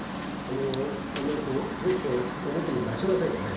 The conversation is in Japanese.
あんまりこう闘志を表に出しませんよね。